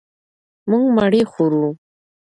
مونږ مڼې خورو.